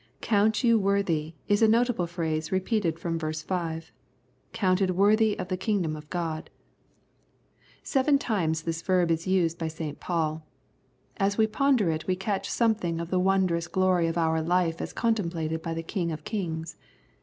Count you worthy " is a notable phrase repeated from verse 5 :"' Counted worthy of the kingdom of God." Seven times this 31 The Prayers of St. Paul verb is used by St. Paul. As we ponder it we catch something of the wondrous gloiy of our life as contemplated by the King of Kings.